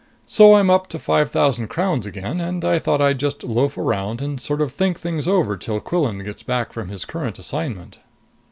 So I'm up to five thousand crowns again, and I thought I'd just loaf around and sort of think things over till Quillan gets back from his current assignment."